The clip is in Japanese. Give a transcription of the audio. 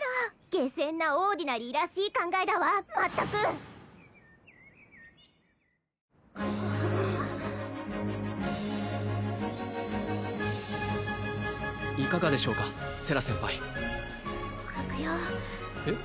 下賤なオーディナリーらしい考えだわまったくいかがでしょうかセラ先輩よえっ？